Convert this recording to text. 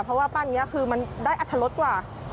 เพราะว่าปั้นอย่างนี้คือมันได้อัฐรสกว่า